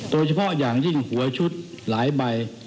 โดยเฉพาะอย่างยิ่งหัวชุดหลายใบ